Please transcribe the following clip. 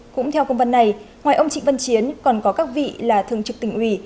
cũng theo công văn này ngoài ông trịnh văn chiến còn có các vị là thường trực tỉnh ủy